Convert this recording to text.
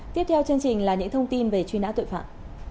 tiếp theo chương trình là những thông tin về truy nã tội phạm